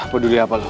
peduli apa lu